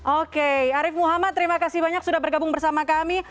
oke arief muhammad terima kasih banyak sudah bergabung bersama kami